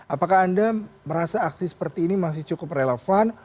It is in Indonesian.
apakah anda merasa aksi seperti ini masih cukup relevan